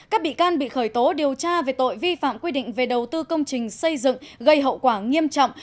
các bị can bị khởi tố điều tra về tội vi phạm quy định về đầu tư công trình xây dựng gây hậu quả nghiêm trọng